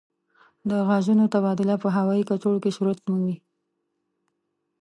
د غازونو تبادله په هوايي کڅوړو کې صورت مومي.